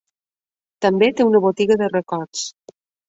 També té una botiga de records.